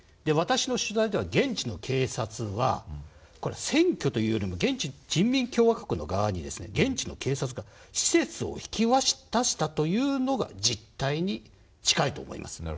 私の取材では現地の警察はこれは占拠というよりも人民共和国の側に現地の警察が施設を引き渡したというのが実態に近いと思います。